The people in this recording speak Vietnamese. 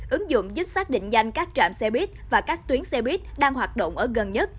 ứng dụng giúp xác định nhanh các trạm xe buýt và các tuyến xe buýt đang hoạt động ở gần nhất